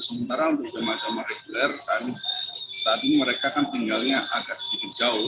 sementara untuk jemaah jemaah reguler saat ini mereka kan tinggalnya agak sedikit jauh